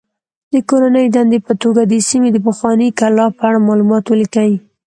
د کورنۍ دندې په توګه د سیمې د پخوانۍ کلا په اړه معلومات ولیکئ.